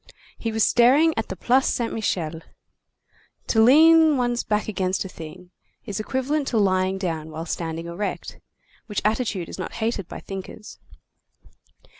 He was staring at the Place Saint Michel. To lean one's back against a thing is equivalent to lying down while standing erect, which attitude is not hated by thinkers.